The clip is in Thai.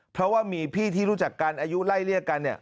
เพราะว่ามีพี่ที่รู้จักกันอายุไล่เรียกกัน